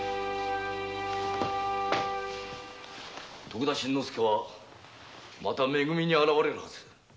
徳田新之助はまため組に現れるはず。